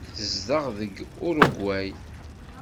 Tezdeɣ deg Urugway.